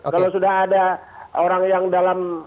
kalau sudah ada orang yang dalam